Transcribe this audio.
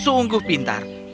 kau sungguh pintar